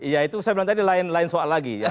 ya itu saya bilang tadi lain soal lagi ya